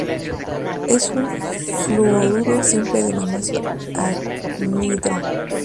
Es un fluoruro simple de magnesio, anhidro.